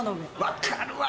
分かるわ！